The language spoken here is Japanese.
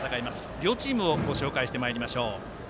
両チームをご紹介してまいります。